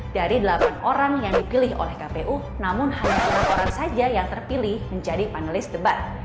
dari delapan orang yang dipilih oleh kpu namun hanya dua orang saja yang terpilih menjadi panelis debat